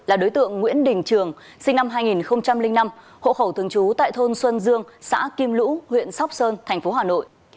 là đối tượng nguyễn đình trường sinh năm hai nghìn năm hộ khẩu thường trú tại thôn xuân dương xã kim lũ huyện sóc sơn thành phố hà nội